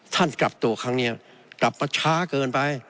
กลับตัวครั้งนี้กลับมาช้าเกินไป